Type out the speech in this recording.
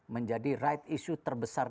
menjadi right issue terbesar